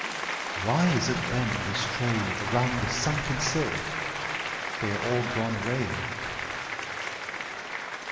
Why is it then we stray Around the sunken sill? They are all gone away.